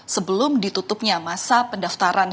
sebelum ditutupnya masa pendaftaran